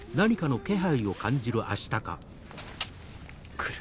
来る！